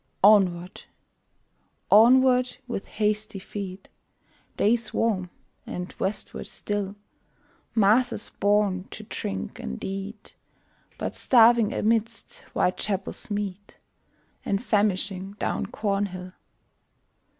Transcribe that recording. Onward, onward, with hasty feet, They swarm and westward still Masses born to drink and eat, But starving amidst Whitechapel's meat, And famishing down Cornhill!